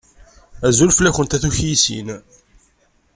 Azul fell-akent a tukyisin!